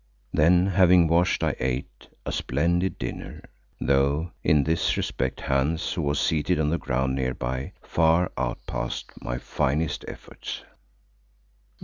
Then, having washed, I ate a splendid dinner, though in this respect Hans, who was seated on the ground nearby, far outpassed my finest efforts.